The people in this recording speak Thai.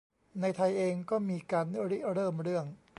ในไทยเองก็มีการริเริ่มเรื่อง